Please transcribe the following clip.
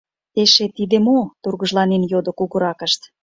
— Эше тиде мо?! — тургыжланен йодо кугуракышт.